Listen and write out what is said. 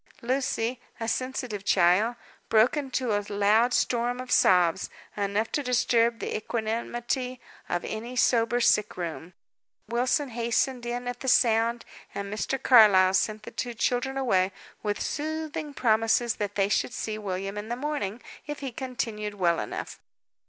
Lucy, a sensitive child, broke into a loud storm of sobs, enough to disturb the equanimity of any sober sick room. Wilson hastened in at the sound, and Mr. Carlyle sent the two children away, with soothing promises that they should see William in the morning, if he continued well enough.